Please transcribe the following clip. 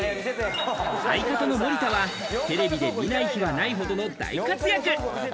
相方の森田は、テレビで見ない日はないほどの大活躍。